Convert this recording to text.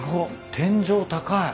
天井高い。